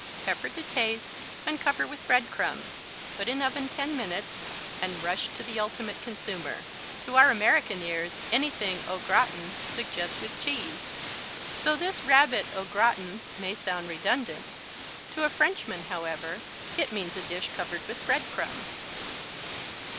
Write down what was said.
Pepper to taste and cover with bread crumbs. Put in oven 10 minutes and rush to the ultimate consumer. To our American ears anything au gratin suggests "with cheese," so this Rabbit au gratin may sound redundant. To a Frenchman, however, it means a dish covered with bread crumbs.